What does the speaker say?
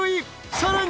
［さらに］